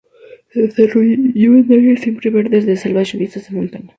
Se desarrolla en áreas siempre verdes de selvas lluviosas de montaña.